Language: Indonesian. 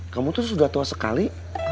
kamu tuh sudah tua sekali